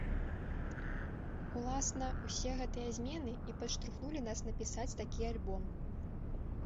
Уласна, усе гэтыя змены і падштурхнулі нас напісаць такі альбом.